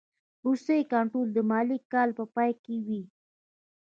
وروستی کنټرول د مالي کال په پای کې وي.